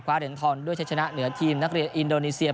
เหรียญทองด้วยใช้ชนะเหนือทีมนักเรียนอินโดนีเซีย